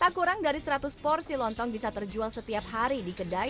tak kurang dari seratus porsi lontong bisa terjual setiap hari di kedai